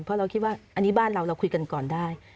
เพราะเราคิดว่าอันนี้บ้านเราเราคุยกันก่อนได้